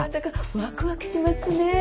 ワクワクしますねぇ。